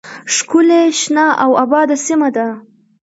ښکلې شنه او آباده سیمه ده